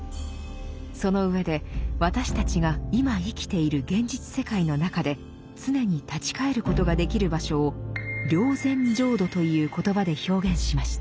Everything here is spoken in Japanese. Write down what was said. その上で私たちが今生きている現実世界の中で常に立ち返ることができる場所を「霊山浄土」という言葉で表現しました。